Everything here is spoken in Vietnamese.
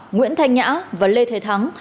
nguyễn thanh nhã và lê thế thắng